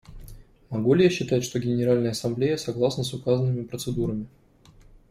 Могу ли я считать, что Генеральная Ассамблея согласна с указанными процедурами?